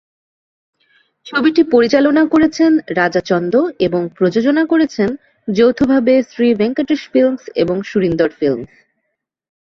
ছবিটি পরিচালনা করেছেন রাজা চন্দ এবং প্রযোজনা করেছেন যৌথভাবে শ্রী ভেঙ্কটেশ ফিল্মস এবং সুরিন্দর ফিল্মস।